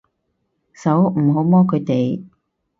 手，唔好摸佢哋